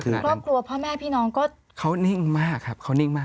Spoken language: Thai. เหมือนพี่สาวเปล่า